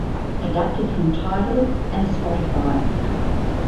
Adapted from Tidal and Spotify.